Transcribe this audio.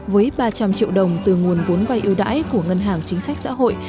với ba trăm linh triệu đồng từ nguồn vốn vay ưu đãi của ngân hàng chính sách xã hội